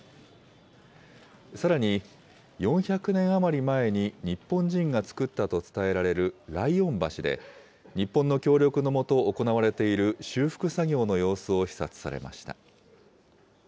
さらに、４００年余り前に日本人が造ったと伝えられる来遠橋で、日本の協力のもと行われている修復作業の様子を視察されました。